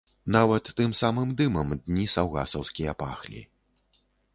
Нават тым самым дымам дні саўгасаўскія пахлі.